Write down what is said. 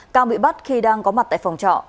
cang bị bắt khi đang có mặt tại phòng trọ